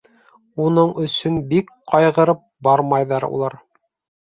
Уның өсөн бик ҡайғырып бармайҙар улар.